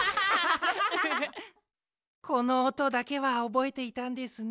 このおとだけはおぼえていたんですね。